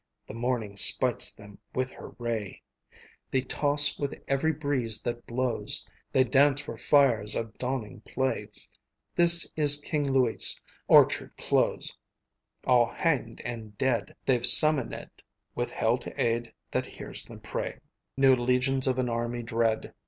The morning smites them with her ray; They toss with every breeze that blows, They dance where fires of dawning play: This is King Louis's orchard close! All hanged and dead, they've summonèd (With Hell to aid, that hears them pray) New legions of an army dread.